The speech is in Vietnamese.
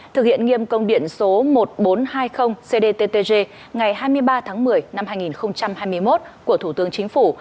thực hiện nghiêm công điện số một nghìn bốn trăm hai mươi cdttg ngày hai mươi ba tháng một mươi năm hai nghìn hai mươi một của thủ tướng chính phủ